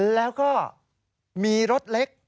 แล้วก็มีรถเล็ก